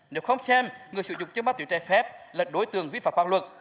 nếu không xem người sử dụng chế ma túy cháy phép là đối tượng vi phạm pháp luật